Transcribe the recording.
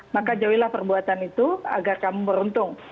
maka jauhilah perbuatan itu agar kamu beruntung